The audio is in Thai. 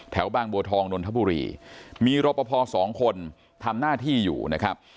บางบัวทองนนทบุรีมีรปภสองคนทำหน้าที่อยู่นะครับ